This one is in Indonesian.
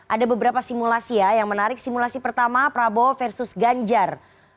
ada beberapa simulasi ya yang menarik simulasi pertama prabowo versus ganjar